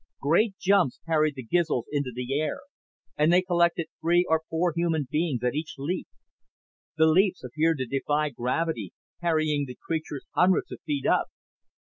Great jumps carried the Gizls into the air and they collected three or four human beings at each leap. The leaps appeared to defy gravity, carrying the creatures hundreds of feet up.